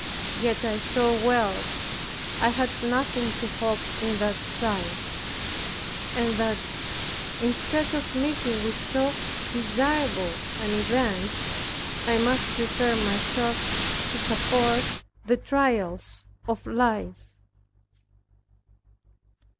Yet I saw well I had nothing to hope in that side; and that, instead of meeting with so desirable an event, I must prepare myself to support the trials of life.